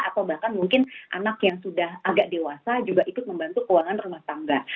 atau bahkan mungkin anak yang sudah agak dewasa juga ikut membantu keuangan rumah tangga